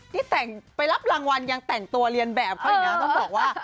ที่แต่งไปรับรางวัลยังแต่งตัวเรียนแบบเขาอีกนะต้องบอกว่า